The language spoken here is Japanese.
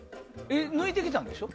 抜いてきたんでしょ？